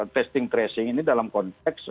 testing tracing ini dalam konteks